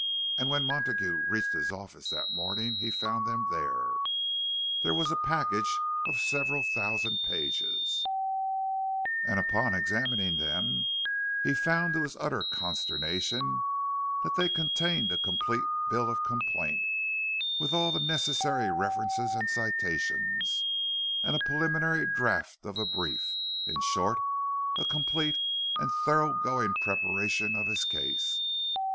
And when Montague reached his office that morning, he found them there. There was a package of several thousand pages; and upon examining them, he found to his utter consternation that they contained a complete bill of complaint, with all the necessary references and citations, and a preliminary draught of a brief—in short, a complete and thoroughgoing preparation of his case.